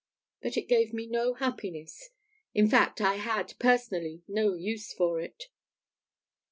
But it gave me no happiness in fact, I had, personally, no use for it.